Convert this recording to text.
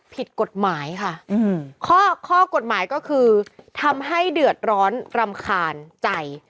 ผิดกฎหมายค่ะข้อกฎหมายก็คือทำให้เดือดร้อนรำคาญใจ